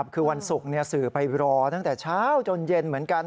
คือวันศุกร์สื่อไปรอตั้งแต่เช้าจนเย็นเหมือนกัน